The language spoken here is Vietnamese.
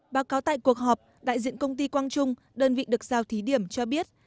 báo cáo tại cuộc họp đại diện công ty quang trung đơn vị được giao thí điểm cho biết